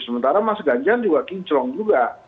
sementara mas ganjar juga kinclong juga